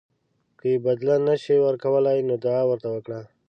که یې بدله نه شئ ورکولی نو دعا ورته وکړئ.